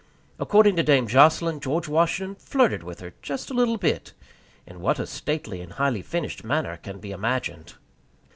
According to Dame Jocelyn, George Washington flirted with her just a little bit in what a stately and highly finished manner can be imagined.